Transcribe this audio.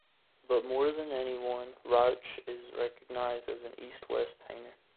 But more than anyone Rauch is recognized as an East-West painter.